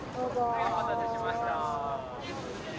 お待たせしました。